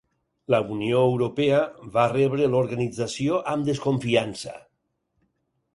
La Unió Europea va rebre l'organització amb desconfiança.